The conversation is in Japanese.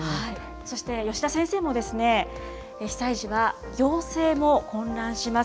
そして、吉田先生も被災時は行政も混乱します。